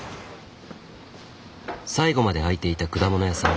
最後まで開いていた果物屋さん。